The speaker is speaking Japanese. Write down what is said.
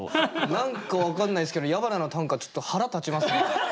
何か分かんないすけど矢花の短歌ちょっと腹立ちます。